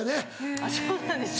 あっそうなんですか。